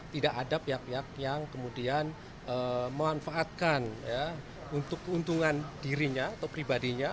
tidak ada pihak pihak yang kemudian memanfaatkan untuk keuntungan dirinya atau pribadinya